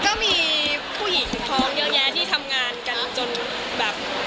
ก็มีผู้หญิงท้องเยอะแยะที่ทำงานกันจนแบบ